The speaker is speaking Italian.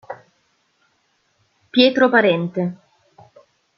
Pietro Parente